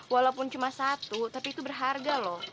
walaupun cuma satu tapi itu berharga loh